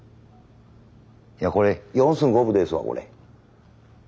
いやこれ４寸５分ですわこれ。